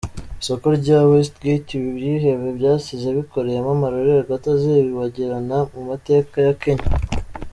Isoko rya West Gate ibi byihebe byasize bikoreyemo amarorerwa atazibagirana mu mateka ya Kenya.